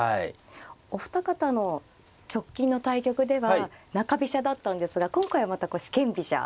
お二方の直近の対局では中飛車だったんですが今回はまた四間飛車。